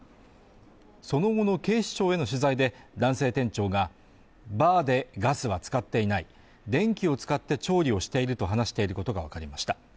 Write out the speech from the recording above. その後の警視庁への取材で、男性店長が、バーでガスは使っていない電気を使って調理をしていると話していることがわかりました。